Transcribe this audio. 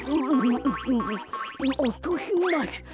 おとします。